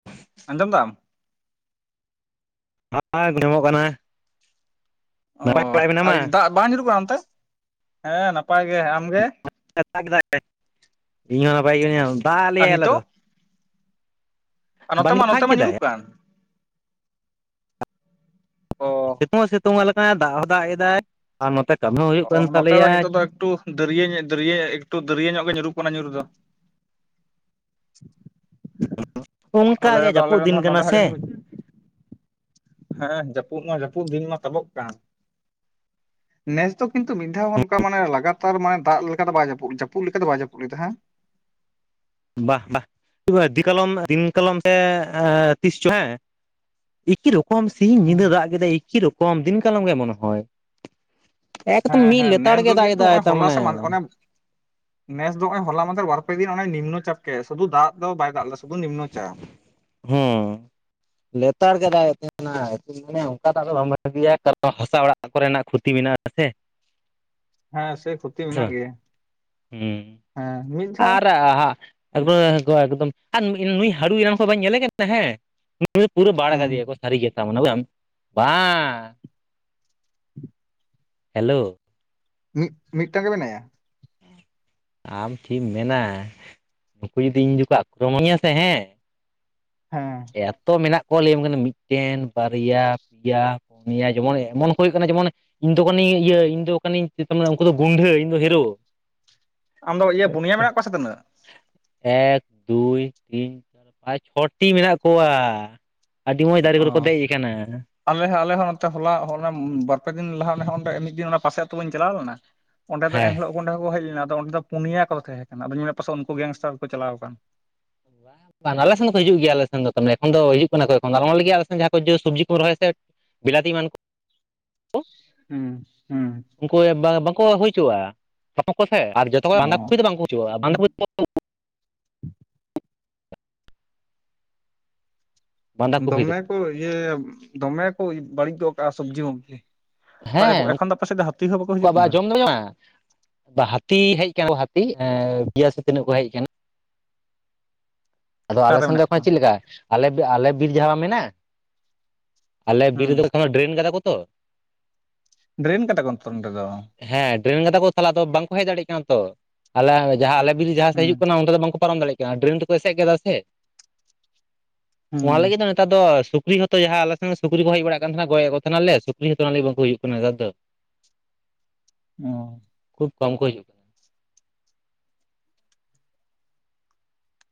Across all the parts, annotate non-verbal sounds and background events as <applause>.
<inaudible> ᱟᱸᱡᱚᱢ ᱮᱫᱟᱢ? ᱦᱚᱸ ᱟᱡᱚᱢᱚᱜ ᱠᱟᱱᱟ᱾ ᱚ ᱱᱟᱯᱟᱭ ᱵᱟᱲᱟ ᱟᱨ ᱢᱮᱱᱟᱢᱟ ᱫᱟᱜᱽ ᱵᱟᱝ ᱧᱩᱨᱩᱜᱽ ᱠᱟᱱᱟ, ᱚᱱᱛᱮ ᱦᱮᱸ ᱱᱟᱯᱟᱭ ᱜᱮ ᱟᱢ ᱤᱧ ᱦᱚᱸ ᱱᱟᱯᱟᱭ ᱜᱤ ᱢᱤᱱᱟᱹᱧᱟᱹ ᱫᱟᱜᱽ ᱞᱮ ᱟᱨ ᱟᱞᱮ ᱱᱤᱛᱚᱜ ᱫᱚ᱾ ᱟᱨ ᱱᱚᱛᱮ ᱵᱟᱹᱱᱤᱡ ᱢᱟ ᱱᱚᱛᱮ ᱯᱷᱟᱸᱠ ᱢᱟ ᱠᱮᱫᱟᱭ ᱧᱩᱨᱩᱜᱽ ᱚᱸ᱾ ᱥᱤᱛᱩᱝ ᱦᱚᱸ ᱥᱤᱛᱩᱝ ᱟᱞᱮᱠᱟᱱᱟ, ᱫᱟᱜᱽ ᱦᱚᱸ ᱫᱟᱜᱽ ᱮᱫᱟᱭ ᱟᱨ ᱱᱚᱛᱮ ᱠᱟᱹᱢᱤ ᱦᱚᱸ ᱦᱩᱭᱩᱜᱽ ᱚ ᱠᱟᱱ ᱱᱚᱛᱮ ᱫᱚ ᱛᱟᱞᱮᱭᱟ᱾ ᱱᱤᱛᱚᱜ ᱫᱚ ᱮᱠᱴᱩ ᱫᱟᱹᱨᱭᱟᱹ ᱧᱚᱜᱽ ᱫᱟᱹᱨᱭᱟᱹ ᱮᱠᱴᱩ ᱫᱟᱹᱨᱭᱟᱹ ᱧᱚᱜᱽ ᱜᱮ ᱧᱩᱨᱩᱜᱽ ᱠᱟᱱᱟ, ᱧᱩᱨ ᱫᱚ᱾ ᱟᱞᱮ ᱚᱱᱠᱟ ᱜᱮ ᱫᱚ ᱚᱞᱮ ᱡᱟᱹᱯᱩᱫ ᱫᱤᱱ ᱫᱚᱦᱟᱸ ᱠᱟᱱᱟ ᱱᱚᱸᱵᱮ ᱦᱟᱸ ᱡᱟᱹᱱᱤ ᱥᱮ ᱦᱮᱸ ᱡᱟᱹᱯᱩᱫ ᱢᱟ ᱡᱟᱹᱯᱩᱫ ᱫᱤᱱ ᱢᱟ ᱛᱟᱵᱚᱜᱽ ᱠᱟᱱ᱾ ᱱᱮᱥ ᱫᱚ ᱠᱤᱱᱛᱩ ᱢᱤᱫᱽ ᱫᱷᱟᱣ ᱦᱚᱸ ᱚᱱᱠᱟ ᱢᱟᱱᱮ ᱞᱟᱜᱟᱛᱟᱨ ᱢᱟᱱᱮ ᱫᱟᱜᱽ ᱞᱮᱠᱟ ᱫᱚ ᱵᱟᱭ ᱡᱟᱹᱯᱩ ᱡᱟᱹᱯᱩᱫᱽ ᱞᱮᱠᱟ ᱫᱚ ᱵᱟᱭ ᱡᱟᱹᱯᱩᱫᱽ ᱞᱮᱫᱟ ᱦᱮᱸ᱾ ᱵᱟ ᱵᱟ ᱫᱤᱱ ᱠᱟᱞᱚᱢ ᱛᱤᱱ ᱠᱟᱞᱚᱢ ᱯᱮ ᱛᱤᱥ ᱪᱚ ᱦᱮᱸ ᱮᱠᱤ ᱨᱚᱠᱚᱢ ᱥᱤᱧ ᱧᱤᱸᱫᱟᱹ ᱫᱟᱜᱽ ᱠᱮᱫᱟ, ᱮᱠᱤ ᱨᱚᱠᱚᱢ ᱫᱤᱱ ᱠᱟᱞᱚᱢ ᱜᱮ ᱢᱚᱱᱮ ᱦᱳᱭ᱾ ᱮᱠᱫᱚᱢ ᱦᱮᱸ ᱢᱤᱫ ᱦᱮᱸ ᱞᱮᱛᱟᱲ ᱱᱮᱥ ᱜᱮ ᱫᱚ ᱫᱟᱜᱽ ᱠᱤᱱᱛᱩ ᱫᱟᱭ ᱱᱚᱜᱼᱚᱭ ᱛᱟᱨ ᱦᱚᱞᱟ ᱢᱟᱱᱮ ᱥᱮ ᱚᱱᱮ ᱱᱮᱥ ᱫᱚ ᱦᱟᱜ ᱦᱚᱞᱟ ᱢᱟᱫᱮᱨ ᱵᱟᱨ ᱯᱮ ᱫᱤᱱ ᱚᱱᱮ ᱱᱤᱱᱱᱚ ᱪᱟᱯ ᱠᱮᱟᱭ, ᱥᱩᱫᱩ ᱫᱟᱜ ᱫᱚ ᱵᱟᱭ ᱫᱟᱜ ᱞᱮᱫᱟᱭ ᱥᱩᱫᱩ ᱱᱤᱱᱱᱚ ᱪᱟᱯ ᱦᱩ, ᱞᱮᱛᱟᱲ ᱜᱮ ᱫᱟᱜ ᱮᱫ ᱛᱟᱦᱮᱱᱟ᱾ ᱢᱟᱱᱮ ᱚᱱᱠᱟ ᱫᱚ ᱟᱫᱚ ᱵᱟᱢ ᱵᱷᱟᱹᱜᱤᱭᱟ, ᱠᱟᱨᱚᱱ ᱦᱟᱥᱟ ᱚᱲᱟᱜ ᱠᱚᱨᱮᱱᱟᱜ ᱠᱷᱩᱛᱤ ᱢᱮᱱᱟᱜᱼᱟ ᱥᱮ ᱦᱮᱸ, ᱥᱮᱭ ᱠᱷᱚᱛᱤ ᱥᱮ ᱢᱮᱱᱟᱜ ᱵᱟᱝ ᱜᱮᱭᱟ᱾ ᱦᱩᱸ ᱦᱮᱸ ᱢᱤᱫ ᱫᱷᱟᱣ ᱟᱨ ᱮᱠᱫᱚᱢ ᱱᱩᱭ ᱦᱟᱹᱲᱩᱭ ᱨᱟᱱ ᱠᱚ ᱵᱟᱹᱧ ᱧᱮᱞᱮ ᱠᱟᱱ ᱛᱟᱦᱮᱸ ᱦᱮᱸ ᱯᱩᱨᱟᱹ ᱵᱟᱲᱜᱟ ᱦᱮᱸ ᱮᱫ ᱠᱚ ᱥᱟᱹᱨᱤ ᱜᱮ ᱛᱚ ᱢᱟᱱᱢ ᱵᱟ ᱦᱮᱞᱳ? ᱢᱤᱫ ᱢᱤᱫᱴᱟᱝ ᱜᱮ ᱟᱢ ᱛᱷᱤᱢ ᱢᱮᱱᱟ ᱱᱩᱠᱩ ᱡᱩᱫᱤ ᱤᱧ ᱠᱚ ᱟᱠᱠᱨᱚᱢᱚᱱᱤᱧᱟ ᱥᱮ ᱦᱮᱸ ᱦᱮᱸ᱾ ᱮᱛᱚ ᱢᱮᱱᱟᱜ ᱠᱚᱣᱟ ᱞᱟᱹᱭᱟᱢ ᱠᱟᱱᱟ ᱢᱤᱫᱴᱮᱱ, ᱵᱟᱨᱭᱟ, ᱯᱮᱭᱟ, ᱯᱩᱱᱭᱟ ᱡᱮᱢᱚᱱ ᱮᱢᱚᱱ ᱦᱩᱭᱩᱜ ᱠᱟᱱᱟ᱾ ᱡᱮᱢᱚᱱ ᱤᱧ ᱫᱚ ᱠᱟᱹᱱᱟᱧ ᱤᱭᱟᱹ ᱤᱧ ᱫᱚ ᱠᱟᱱᱤᱧ ᱩᱱᱠᱩ ᱫᱚ ᱜᱩᱱᱰᱷᱟᱹ ᱤᱧ ᱫᱚ ᱦᱤᱨᱚ᱾ ᱟᱢᱫᱚ ᱤᱭᱟᱹ ᱯᱚᱱᱭᱟᱹ ᱢᱮᱱᱟᱜ ᱠᱚᱣᱟ ᱥᱮ ᱛᱤᱱᱟᱹᱜ? ᱮᱠ, ᱫᱩᱭ, ᱛᱤᱱ, ᱪᱟᱨ, ᱯᱟᱸᱪ, ᱪᱷᱚᱴᱤ ᱢᱮᱱᱟᱜ ᱠᱚᱣᱟ᱾ ᱟᱹᱰᱤ ᱢᱚᱸᱡᱽ ᱫᱟᱨᱮ ᱠᱚᱨᱮ ᱠᱚ ᱚ ᱫᱮᱡᱽ ᱟᱠᱟᱱᱟ᱾ ᱟᱞᱮ ᱦᱚᱸ ᱟᱞᱮ ᱦᱚᱸᱚᱸ ᱱᱚᱛᱮ ᱦᱚᱞᱟ ᱵᱟᱨ-ᱯᱮ ᱫᱤᱱ ᱞᱟᱦᱟ ᱦᱚᱜᱚᱱᱰᱮ ᱢᱤᱫ ᱫᱤᱱ ᱚᱱᱟ ᱯᱟᱥᱮ ᱟᱹᱛᱩ ᱵᱟᱹᱧ ᱪᱟᱞᱟᱣ ᱞᱮᱱᱟ ᱚᱸᱰᱮ ᱫᱚ ᱦᱮᱸ ᱮᱱᱦᱤᱞᱳᱜ ᱠᱚᱸᱰᱮ ᱠᱚ ᱦᱮᱡ ᱞᱮᱱᱟ ᱟᱫᱚ ᱚᱸᱰᱮ ᱫᱚ ᱯᱩᱱᱭᱟ ᱠᱚᱫᱚ ᱛᱟᱦᱮᱸ ᱠᱟᱱᱟ᱾ ᱟᱫᱚᱧ ᱯᱟᱥᱮᱡ ᱩᱱᱠᱩ ᱜᱮᱝᱥᱴᱟᱨ ᱠᱚ ᱪᱟᱞᱟᱣ ᱟᱠᱟᱱ? ᱵᱟᱝ ᱟᱞᱮᱥᱮᱱ ᱫᱚ ᱦᱤᱡᱩᱜ ᱜᱮᱭᱟ ᱞᱮ ᱥᱮᱱ ᱫᱚ ᱛᱮ ᱮᱠᱷᱚᱱ ᱫᱚ ᱦᱤᱡᱩᱜ ᱠᱟᱱᱟ ᱠᱚ ᱮᱠᱷ ᱫᱟᱨᱟᱞᱚᱢ ᱞᱮ ᱜᱮᱭᱟ᱾ ᱟᱞᱱ ᱡᱟᱦᱟᱸ ᱠᱚ ᱡᱮ ᱥᱚᱵᱽᱡᱤ ᱠᱚ ᱨᱚᱦᱚᱭᱮᱫ ᱵᱤᱞᱛᱤ ᱢᱟᱱ ᱠᱚ ᱦᱩᱸ, ᱦᱩᱸ᱾ ᱩᱱᱠᱩ ᱵᱟᱝ ᱠᱚ ᱦᱩᱭᱪᱚᱼᱟ, ᱠᱚᱥᱮᱫ ᱟᱨ ᱡᱚᱛᱚ ᱵᱟᱸᱫᱟ ᱚ ᱠᱩᱯᱤ ᱫᱚ ᱵᱟᱝᱠᱚ ᱼᱟ ᱵᱟᱸᱰᱤ ᱵᱟᱸᱫᱷᱟ ᱠᱚᱯᱤ ᱫᱚ ᱫᱚᱢᱮ ᱠᱚ ᱤᱭᱟᱹ ᱫᱚᱢᱮ ᱠᱚ ᱵᱟᱹᱲᱤᱡ ᱵᱟᱲᱤᱡ ᱫᱚᱦᱚ ᱠᱟᱜᱼᱟ, ᱥᱚᱵᱽᱡᱤ ᱢᱩᱵᱽᱡᱤ᱾ ᱛᱚ ᱦᱮᱸ ᱮᱠᱷᱚᱱ ᱫᱚ ᱟᱯᱮ ᱥᱮᱫ ᱫᱚ ᱦᱟᱹᱛᱤ ᱦᱚᱸ ᱵᱟᱠᱚ ᱦᱤᱡᱩᱜ ᱠᱟᱱᱟ? <unintelligible> ᱦᱟᱹᱛᱤ ᱦᱮᱡ ᱟᱠᱟᱱᱟ ᱠᱚ, ᱦᱟᱹᱛᱤ ᱯᱮᱭᱟ ᱥᱮ ᱛᱤᱱᱟᱹᱜ ᱠᱚ ᱦᱮᱡ ᱟᱠᱟᱱᱟ ᱠᱚ᱾ ᱟᱫᱚ ᱟᱞᱮ ᱚᱠᱟᱨᱮ ᱥᱮᱱ ᱫᱚ ᱢᱮᱱᱟᱜ ᱮᱠᱷᱚᱱ ᱠᱚᱣᱟ ᱪᱮᱫ ᱞᱮᱠᱟ ᱟᱞᱮ ᱟᱞᱮ ᱵᱤᱨ ᱡᱟᱦᱟ ᱵᱟᱝ ᱢᱮᱱᱟᱜ-ᱟ ᱟᱞᱮ ᱵᱤᱨ ᱦᱩᱸ ᱨᱮᱫᱚ ᱮᱠᱷᱚᱱ ᱫᱚ ᱰᱨᱮᱱ ᱠᱟᱫᱟ ᱠᱚ ᱛᱚ ᱾ ᱰᱨᱮᱱ ᱠᱟᱫᱟ ᱠᱚ ᱛᱚ ᱱᱚᱸᱰᱮ ᱫᱚ ᱾ ᱦᱮᱸ ᱰᱨᱮᱱ ᱠᱟᱫᱟ ᱠᱚ ᱛᱟᱦᱞᱮ ᱟᱫᱚ ᱵᱟᱝᱠᱚ ᱦᱮᱡ ᱫᱟᱲᱮᱭᱟᱜ ᱠᱟᱱᱟ ᱛᱚ ᱟᱞᱮ ᱡᱟᱦᱟᱸ ᱟᱞᱮ ᱡᱩᱫᱤ ᱡᱟᱦᱟᱸ ᱥᱮᱫ ᱦᱩᱸ ᱦᱤᱡᱩᱜ ᱠᱟᱱᱟ ᱚᱱᱛᱮ ᱫᱚ ᱵᱟᱝᱠᱚ ᱯᱟᱨᱚᱢ ᱫᱟᱲᱮᱜ ᱠᱟᱱᱟ ᱰᱨᱮᱱ ᱛᱮᱠᱚ ᱮᱥᱮᱫ ᱠᱮᱫᱫᱟ ᱥᱮ ᱾ ᱚᱱᱟ ᱦᱩᱸ ᱞᱟᱜᱤᱫ ᱜᱮᱛᱚ ᱱᱮᱛᱟᱨ ᱫᱚᱥᱩᱠᱨᱤ ᱦᱚᱸᱛᱚ ᱡᱟᱦᱟ ᱟᱞᱮ ᱥᱮᱱ ᱥᱩᱠᱨᱤ ᱠᱚ ᱦᱮᱡ ᱵᱟᱲᱟᱜ ᱠᱟᱱ ᱛᱟᱦᱮᱱᱟ ᱜᱚᱡ ᱮᱫ ᱠᱚ ᱛᱟᱦᱮᱱᱟᱞᱮ ᱥᱩᱠᱨᱤ ᱦᱚᱸᱛᱚ ᱚᱱᱟ ᱞᱟᱹᱜᱤᱫ ᱵᱟᱝᱠᱚ ᱦᱩᱭᱩᱜ ᱠᱟᱱᱟ ᱱᱮᱛᱟᱨ ᱫᱚ ᱾ <inaudible> ᱚ ᱾ ᱠᱷᱩᱵ ᱠᱚᱢ ᱠᱚ ᱦᱤᱡᱩᱜ ᱠᱟᱱᱟ ᱾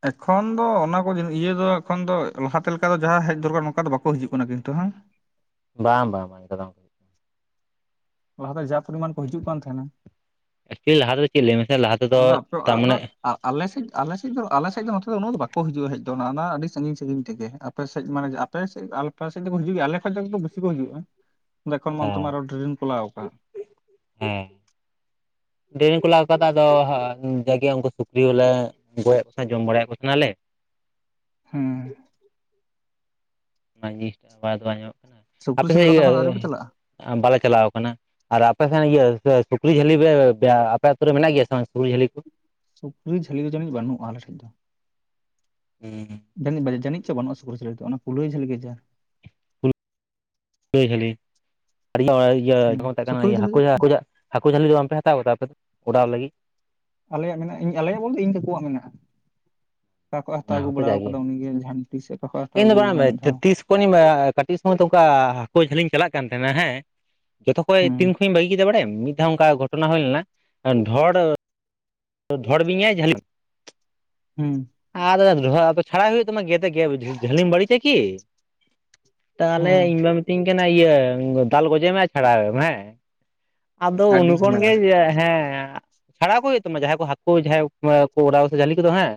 ᱮᱠᱷᱚᱱ ᱫᱚ ᱚᱱᱟ ᱠᱚ ᱤᱭᱟᱹ ᱫᱚ ᱮᱠᱷᱚᱱ ᱫᱚ ᱞᱟᱦᱟ ᱛᱮ ᱞᱮᱠᱟ ᱫᱚ ᱡᱟᱦᱟᱸ ᱦᱮᱡ ᱫᱚᱨᱠᱟᱨ ᱚᱱᱠᱟ ᱫᱚ ᱵᱟᱠᱚ ᱦᱤᱡᱩᱜ ᱠᱟᱱᱟ ᱠᱤᱱᱛᱩ ᱦᱟᱝ? ᱵᱟᱝ ᱵᱟᱝ ᱵᱟᱝ ᱚᱱᱠᱟ ᱫᱚ ᱾ ᱞᱟᱦᱟᱛᱮ ᱡᱟ ᱯᱚᱨᱤᱢᱟᱱ ᱠᱚ ᱦᱤᱡᱩᱜ ᱠᱟᱱ ᱛᱟᱦᱮᱱᱟ ᱮᱠᱪᱩᱭᱮᱞᱤ ᱞᱟᱦᱟ ᱛᱮᱫ ᱪᱮᱫ ᱞᱟᱹᱭ ᱢᱮᱥᱮ ᱞᱟᱦᱟ ᱛᱮᱫᱚ ᱛᱟᱨᱢᱟᱱᱮ ᱟᱨ ᱟᱞᱮ ᱥᱮᱫ ᱟᱞᱮ ᱥᱮᱫ ᱫᱚ ᱟᱞᱮ ᱥᱮᱫ ᱫᱚ ᱱᱚᱛᱮ ᱫᱚ ᱩᱱᱟᱹᱜ ᱫᱚ ᱵᱟᱠᱚ ᱦᱤᱡᱩᱜᱼᱟ ᱦᱮᱡ ᱫᱚ ᱚᱱᱟ ᱟᱹᱰᱤ ᱥᱟᱹᱜᱤᱧ ᱥᱟᱹᱜᱤᱧ ᱛᱮᱜᱮ ᱾ ᱟᱯᱮ ᱥᱮᱫ ᱢᱟᱱᱮ ᱟᱯᱮ ᱥᱮᱫ ᱟᱯᱮ ᱥᱮᱫ ᱫᱚᱠᱚ ᱦᱤᱡᱩᱜ ᱜᱮᱭᱟ ᱟᱞᱮ ᱠᱷᱚᱡ ᱫᱚ ᱵᱮᱥᱤ ᱠᱚ ᱦᱤᱡᱩᱜᱼᱟ ᱾ ᱟᱫᱚ ᱮᱠᱷᱚᱱ ᱢᱟ ᱚᱱᱛᱮ ᱢᱟ ᱦᱮᱸ ᱟᱨ ᱦᱚᱸ ᱰᱨᱮᱱ ᱠᱚ ᱞᱟᱣ ᱟᱠᱟ ᱾ ᱦᱮᱸ, ᱰᱨᱮᱱ ᱠᱚ ᱞᱟᱣ ᱟᱠᱟᱫᱟ ᱟᱫᱚ ᱡᱟᱜᱮ ᱩᱱᱠᱩ ᱥᱩᱠᱨᱤ ᱦᱚᱸᱞᱮ ᱜᱚᱡᱮᱫ ᱠᱚ ᱛᱟᱦᱮ ᱡᱚᱢ ᱵᱟᱲᱟᱭᱮᱫ ᱠᱚ ᱛᱟᱦᱮᱱᱟᱞᱮ ᱾ ᱦᱩᱸ ᱾ ᱚᱱᱟ ᱡᱤᱱᱤᱥᱴᱟ ᱵᱟᱝ ᱟᱫᱚ ᱵᱟᱝ ᱧᱟᱢᱚᱜ ᱠᱟᱱᱟ ᱥᱩᱠᱨᱤ ᱟᱯᱮ ᱥᱮᱫ ᱥᱮᱸᱫᱽᱨᱟ <unintelligible> ᱫᱚ ᱜᱮ ᱮᱠᱷᱚᱱ ᱟᱹᱣᱨᱤ ᱯᱮ ᱪᱟᱞᱟᱜᱼᱟ ᱵᱟᱞᱮ ᱪᱟᱞᱟᱣ ᱠᱟᱱᱟ ᱾ ᱟᱨ ᱟᱯᱮ ᱥᱮᱱ ᱤᱭᱟᱹ ᱥᱩᱠᱨᱤ ᱡᱷᱟᱹᱞᱤ ᱟᱯᱮ ᱟᱹᱛᱩᱩᱨ ᱨᱮ ᱢᱮᱱᱟᱜ ᱜᱮᱭᱟ ᱥᱮ ᱵᱟᱝ ᱥᱩᱠᱨᱤ ᱡᱷᱟᱹᱞᱤ ᱠᱚ? ᱥᱩᱠᱨᱤ ᱡᱷᱟᱹᱞᱤ ᱫᱚ ᱡᱟᱹᱱᱤᱡ ᱵᱟᱹᱱᱩᱜ ᱟ ᱟᱞᱮ ᱴᱷᱮᱡ ᱫᱚ ᱾ ᱦᱩᱸ ᱾ ᱡᱟᱹᱱᱤᱡ ᱵᱟᱡ ᱡᱟᱹᱱᱤᱡ ᱪᱚ ᱵᱟᱹᱱᱩᱜᱼᱟ ᱥᱩᱠᱨᱤ ᱡᱷᱟᱹᱞᱤ ᱫᱚ ᱚᱱᱟ ᱠᱩᱞᱟᱹᱭ ᱡᱷᱟᱹᱞᱤ ᱜᱮ ᱡᱟ ᱾ ᱠᱩᱞᱟᱹᱣ ᱡᱷᱟᱹᱞᱤ <unintelligible> ᱤᱭᱟᱹ ᱪᱮᱫ ᱠᱚ ᱦᱩᱸ ᱢᱮᱛᱟᱜ ᱠᱟᱱᱟ ᱥᱩᱠᱨᱤ ᱡᱷᱟᱹᱞᱤ ᱦᱟᱹᱠᱩ ᱡᱷᱟ ᱫᱚ ᱦᱟᱹᱠᱩ ᱡᱷᱟ ᱦᱟᱹᱠᱩ ᱡᱷᱟᱹᱞᱤ ᱫᱚ ᱵᱟᱝᱯᱮ ᱦᱟᱛᱟᱣ ᱟᱠᱟᱫᱟ ᱟᱯᱮ ᱫᱚ? ᱚᱰᱟᱣ ᱞᱟᱹᱜᱤᱫ? ᱟᱞᱮᱭᱟᱜ ᱢᱮᱱᱟᱜᱼᱟ ᱤᱧ ᱟᱞᱮᱭᱟᱜ ᱵᱚᱞᱛᱮ ᱤᱧ ᱠᱟᱠᱩᱣᱟᱜ ᱢᱮᱱᱟᱜᱼᱟ ᱾ ᱚᱠᱟ ᱠᱷᱚᱡ ᱮ ᱦᱟᱛᱟᱣ ᱚᱱᱟ ᱟᱹᱜᱩ ᱦᱚᱸᱛᱚ ᱵᱟᱲᱟ ᱡᱟᱜᱮ ᱟᱠᱟᱫᱟᱭ ᱩᱱᱤᱜᱮ ᱡᱷᱟᱱᱴᱤ ᱥᱮ ᱚᱠᱟ ᱠᱷᱚᱱ ᱦᱟᱛᱟᱣ ᱟᱹᱜᱩ ᱞᱮᱫᱟᱭ ᱢᱤᱫ ᱫᱷᱟᱣ ᱾ ᱦᱚᱭᱚᱱᱤ ᱢᱟ ᱠᱟᱹᱴᱤᱡ ᱥᱚᱢᱚᱭ ᱛᱚ ᱚᱱᱠᱟ ᱦᱟᱹᱠᱩ ᱡᱷᱟᱹᱞᱤᱧ ᱪᱟᱞᱟᱜ ᱠᱟᱱ ᱛᱟᱦᱮᱱᱟ ᱦᱮᱸ ᱡᱚᱛᱚ ᱠᱷᱚᱡ ᱦᱩᱸ ᱛᱤᱱ ᱠᱷᱚᱱᱤᱧ ᱵᱟᱹᱜᱤ ᱠᱮᱫᱟ ᱵᱟᱲᱟᱭᱟᱢ, ᱢᱤᱫ ᱫᱷᱟᱣ ᱚᱱᱠᱟ ᱜᱷᱚᱴᱚᱱᱟ ᱦᱩᱭ ᱞᱮᱱᱟ ᱰᱷᱚᱲ ᱰᱷᱚᱲ ᱵᱤᱧ ᱮ ᱡᱷᱟᱹᱞᱤ ᱦᱩᱸ ᱾ ᱟᱫᱚ <unintelligible> ᱪᱷᱟᱲᱟᱭ ᱦᱩᱭᱩᱜ ᱛᱟᱢᱟ ᱜᱮᱫᱮ ᱜᱮᱫ <unintelligible> ᱡᱷᱟᱹᱞᱤᱢ ᱵᱟᱹᱲᱤᱡᱟ ᱠᱤ? ᱛᱟᱦᱚᱞᱮ ᱦᱩᱸ ᱤᱧ ᱵᱟ ᱢᱤᱛᱟᱹᱧ ᱠᱟᱱᱟᱭ ᱤᱭᱟᱹ ᱫᱟᱞ ᱜᱚᱡᱮ ᱢᱮ ᱟᱨ ᱪᱷᱟᱲᱟᱭᱮᱢ ᱦᱮᱸ ᱾ ᱟᱫᱚ ᱩᱱ ᱟᱹᱰᱤ ᱠᱷᱚᱱ ᱡᱷᱟᱢᱮᱞᱟ ᱜᱮ ᱦᱮᱸ ᱪᱷᱟᱲᱟᱣ ᱠᱚ ᱦᱩᱭᱩᱜ ᱛᱟᱢᱟ ᱡᱟᱦᱟᱸᱭ ᱠᱚ ᱦᱟᱠᱩ ᱡᱟᱦᱟᱸᱭ ᱠᱚ ᱠᱚ ᱚᱰᱟᱣ ᱡᱷᱟᱹᱞᱤ ᱠᱚᱫᱚ ᱦᱮᱸ